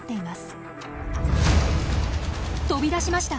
飛び出しました！